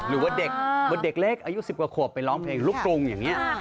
หรือว่าเด็กเล็กอายุ๑๐กว่าขวบไปร้องเพลงลูกกรุงอย่างนี้